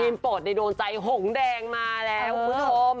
โปรดโดนใจหงแดงมาแล้วคุณผู้ชม